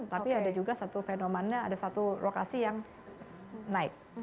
tapi ada juga satu fenomena ada satu lokasi yang naik